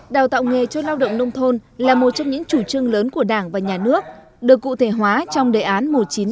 đào tạo nghề cho lao động nông thôn là một trong những chủ trương lớn của đảng và nhà nước được cụ thể hóa trong đề án một nghìn chín trăm năm mươi